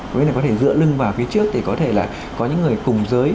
với này có thể dựa lưng vào phía trước thì có thể là có những người cùng giới